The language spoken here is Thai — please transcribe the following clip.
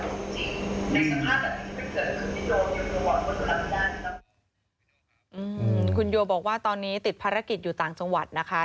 คุณโยบอกว่าตอนนี้ติดภารกิจอยู่ต่างจังหวัดนะคะ